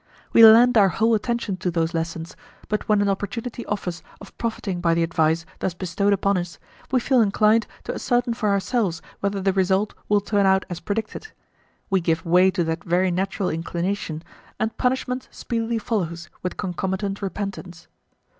We lend our whole attention to those lessons, but when an opportunity offers of profiting by the advice thus bestowed upon us, we feel inclined to ascertain for ourselves whether the result will turn out as predicted; we give way to that very natural inclination, and punishment speedily follows with concomitant repentance.